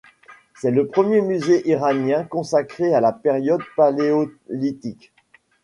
C'est le premier musée iranien consacré à la période paléolithique.